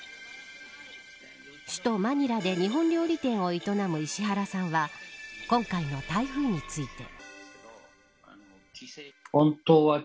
首都マニラで日本料理店を営む石原さんは今回の台風について。